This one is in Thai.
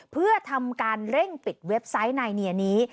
เพื่อทำการเร่งปิดเว็บไซต์นายเนียนี้